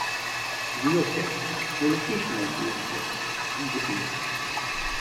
The object, the location of the object, and the viewer.